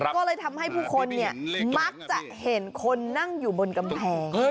ก็เลยทำให้ผู้คนมักจะเห็นคนนั่งอยู่บนกำแพง